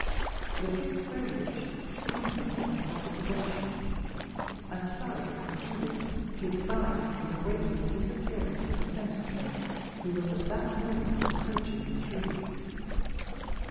The thick foliage screened them from observation, and Surrey concluded his guide was awaiting the disappearance of the sentinel, who was at that moment approaching the tree.